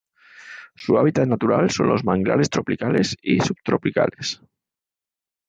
Su hábitat natural son los manglares tropicales y subtropicales.